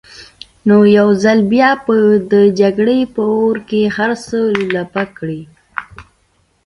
نو يو ځل بيا به د جګړې په اور کې هر څه لولپه کړي.